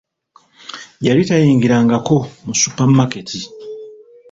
Yali tayingirangako mu supamaketi,